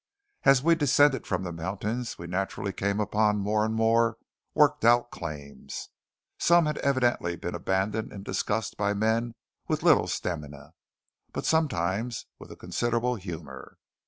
As we descended from the mountains we naturally came upon more and more worked out claims. Some had evidently been abandoned in disgust by men with little stamina; but, sometimes, with a considerable humour.